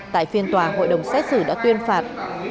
tại phiên tòa hội đồng xét xử đã tuyên phạt